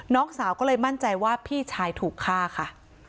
น้องสาวก็เลยมั่นใจว่าพี่ชายถูกฆ่าค่ะ